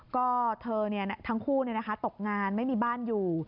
ก็เธอทั้งคู่ตกงานไม่มีบ้านอยู่